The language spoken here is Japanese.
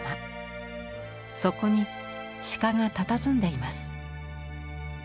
そこに鹿がたたずんでいます。